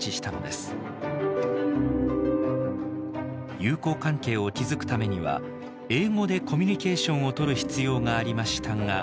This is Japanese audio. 友好関係を築くためには英語でコミュニケーションをとる必要がありましたが。